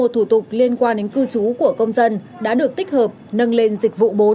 một thủ tục liên quan đến cư trú của công dân đã được tích hợp nâng lên dịch vụ bốn